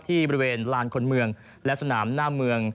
ที่บริเวณลานคนเมืองและสนามหน้าเมือง